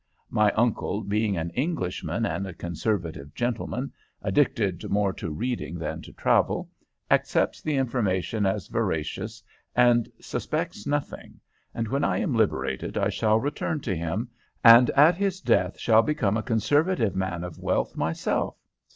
My uncle being an Englishman and a conservative gentleman, addicted more to reading than to travel, accepts the information as veracious and suspects nothing, and when I am liberated I shall return to him, and at his death shall become a conservative man of wealth myself.